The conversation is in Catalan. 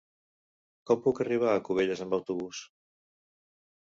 Com puc arribar a Cubelles amb autobús?